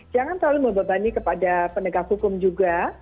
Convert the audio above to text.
jangan terlalu mebebani kepada pendegar hukum juga